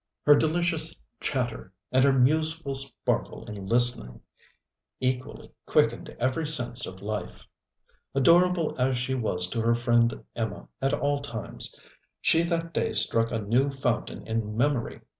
Her delicious chatter, and her museful sparkle in listening, equally quickened every sense of life. Adorable as she was to her friend Emma at all times, she that day struck a new fountain in memory.